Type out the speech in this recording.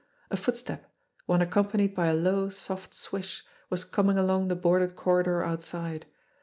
A footstep, one accom panied by a low, soft swish, was coming along the boarded corridor outside.